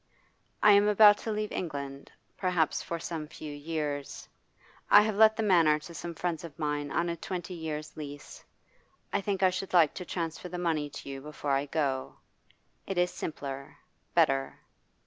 I am about to leave England, perhaps for some few years; I have let the Manor to some friends of mine on a twenty years' lease. I think I should like to transfer the money to you before I go. It is simpler, better.